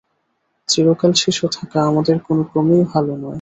চিরকাল শিশু থাকা আমাদের কোনক্রমেই ভাল নয়।